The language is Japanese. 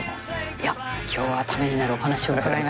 いや今日はためになるお話を伺いました。